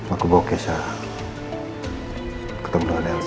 aku bawa kesha ketemu dengan elsa